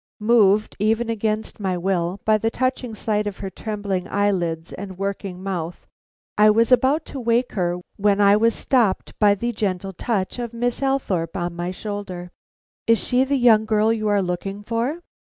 Moved, even against my will, by the touching sight of her trembling eyelids and working mouth, I was about to wake her when I was stopped by the gentle touch of Miss Althorpe on my shoulder. "Is she the girl you are looking for?"